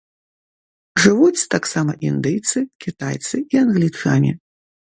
Жывуць таксама індыйцы, кітайцы і англічане.